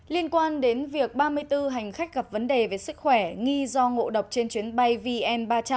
liên quan đến việc ba mươi bốn hành khách gặp vấn đề về sức khỏe nghi do ngộ độc trên chuyến bay vn ba trăm linh